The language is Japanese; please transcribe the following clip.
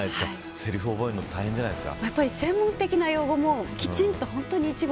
せりふを覚えるの大変じゃないですか。